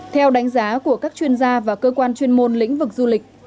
theo đánh giá của các chuyên gia và cơ quan chuyên môn lĩnh vực du lịch